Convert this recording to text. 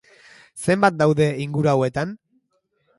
Zenbat daude inguru hauetan?